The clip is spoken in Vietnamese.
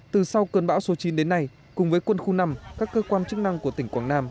từ sau cơn bão số chín đến nay cùng với quân khu năm các cơ quan chức năng của tỉnh quảng nam